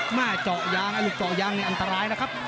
หน้าจอกยางอาจจะจอกยางในอันตรายนะครับ